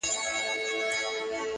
o د زړو شرابو ډکي دوې پیالې دي,